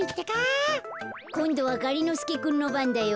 こんどはがりのすけくんのばんだよ。